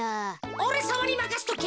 おれさまにまかしとけ。